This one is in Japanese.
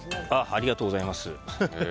ありがとうございます。